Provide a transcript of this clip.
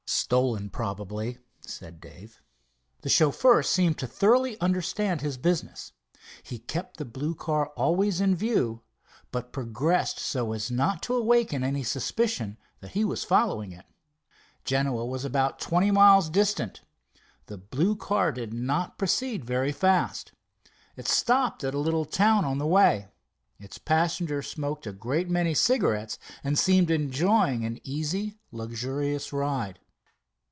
"Stolen, probably," said Dave. The chauffeur seemed to thoroughly understand his business. He kept the blue car always in view, but progressed so as not to awaken any suspicion that he was following it. Genoa was about twenty miles distant. The blue car did not proceed very fast. It stopped at a little town on the way. Its passenger smoked a great many cigarettes, and seemed enjoying an easy, luxurious ride.